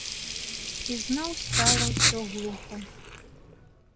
Ізноў стала ўсё глуха.